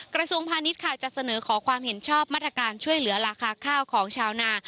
กระทรวงพาณิชย์ค่ะจะเสนอขอความเห็นชอบมาตรการช่วยเหลือราคาข้าวของชาวนา